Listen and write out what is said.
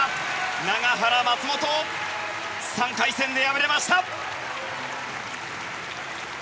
永原、松本３回戦で敗れました。